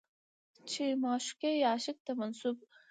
چې معشوقې يا عاشق ته منسوب